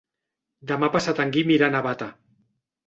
Demà passat en Guim irà a Navata.